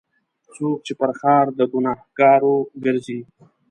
څوک چې پر ښار د ګناهکارو ګرځي.